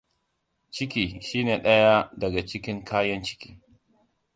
Ciki shine daya daga cikin kayan ciki.